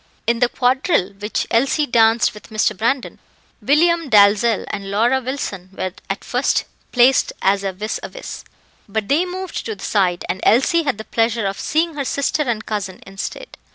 In the quadrille which Elsie danced with Mr. Brandon, William Dalzell and Laura Wilson were at first placed as vis a vis, but they moved to the side, and Elsie had the pleasure of seeing her sister and cousin instead.